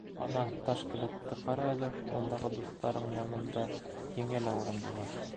Ана, таш келәтте ҡара әле, ундағы дуҫтарың янында һиңә лә урын булыр.